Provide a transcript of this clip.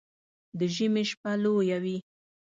د ژمي شپه لويه وي